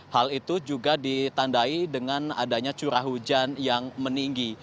hal itu juga ditandai dengan adanya curah hujan yang meninggi